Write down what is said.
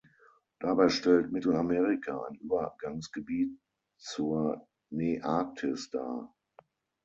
Dabei stellt Mittelamerika ein Übergangsgebiet zur Nearktis dar.